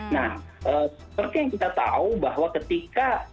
nah seperti yang kita tahu bahwa ketika